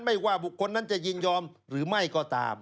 ไม่ว่าบุคคลนั้นจะยินยอมหรือไม่ก็ตาม